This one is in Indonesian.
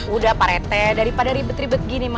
udah pak rt daripada ribet ribet gini